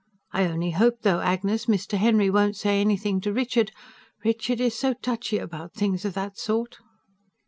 I only hope though, Agnes, Mr. Henry won't say anything to Richard. Richard is so touchy about things of that sort."